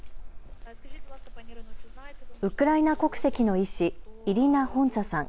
ウクライナ国籍の医師、イリナ・ホンツァさん。